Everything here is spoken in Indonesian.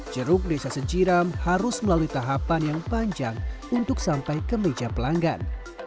jeruk desa sejiram harus melalui tahapan yang panjang untuk sampai ke meja pelanggan